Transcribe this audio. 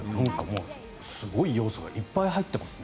すごい要素がいっぱい入ってますね。